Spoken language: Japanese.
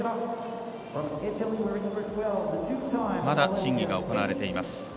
まだ審議が行われています。